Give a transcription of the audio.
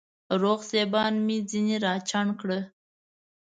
روغ سېبان مې ځيني راچڼ کړه